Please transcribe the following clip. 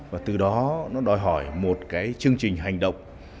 và từ đó nó đòi hỏi một cái chương trình hành động